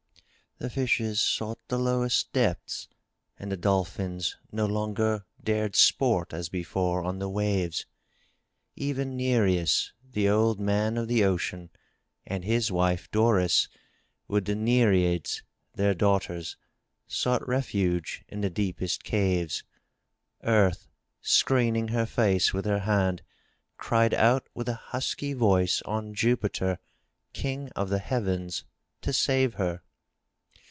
The fishes sought the lowest depths and the dolphins no longer dared sport as before on the waves. Even Nereus, the old man of the Ocean, and his wife Doris, with the Nereides, their daughters, sought refuge in the deepest caves. Earth, screening her face with her hand, cried out with a husky voice on Jupiter, King of the Heavens, to save her.